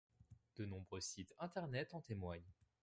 De nombreux sites internet en témoignent.